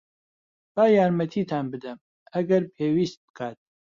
با یارمەتیتان بدەم، ئەگەر پێویست بکات.